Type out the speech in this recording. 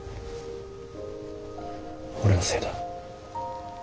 俺のせいだ。